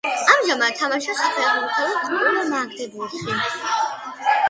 ამჟამად თამაშობს საფეხბურთო კლუბ „მაგდებურგში“.